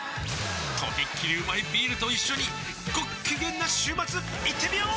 とびっきりうまいビールと一緒にごっきげんな週末いってみよー！